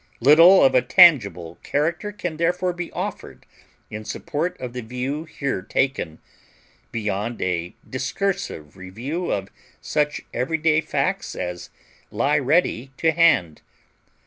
Little of a tangible character can therefore be offered in support of the view here taken, beyond a discursive review of such everyday facts as lie ready to hand.